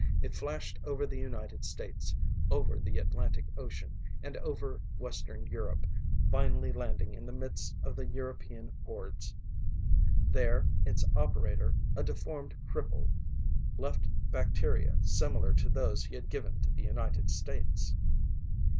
It flashed over the United States, over the Atlantic ocean, and over western Europe, finally landing in the midst of the European hordes. There its operator, a deformed cripple, left bacteria similar to those he had given to the United States.